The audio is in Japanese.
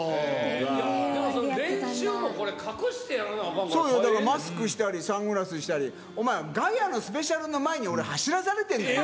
でも、その練習も隠してやらそうよ、だからマスクしたり、サングラスしたり、お前、ガヤのスペシャルの前に、俺、走らされてるんだよ。